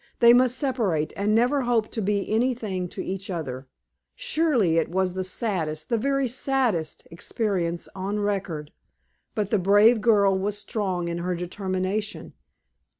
They must separate, and never hope to be anything to each other. Surely it was the saddest the very saddest experience on record. But the brave girl was strong in her determination.